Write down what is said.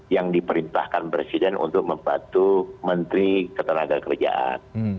yang diperintahkan presiden untuk membantu menteri ketenagakerjaan